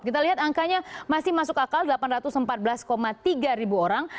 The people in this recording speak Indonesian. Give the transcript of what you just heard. kita lihat angkanya masih masuk akal delapan ratus empat belas tiga ribu orang